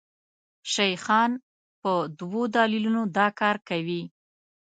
شیخان په دوو دلیلونو دا کار کوي.